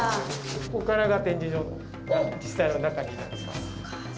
ここからが展示場の実際の中になります。